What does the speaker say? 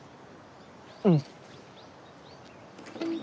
うん。